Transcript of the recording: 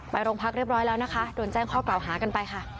โรงพักเรียบร้อยแล้วนะคะโดนแจ้งข้อกล่าวหากันไปค่ะ